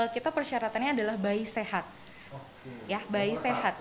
kita persyaratannya adalah bayi sehat